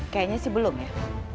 kayaknya sih belum ya